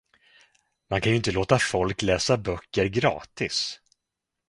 Man kan ju inte låta folk läsa böcker gratis!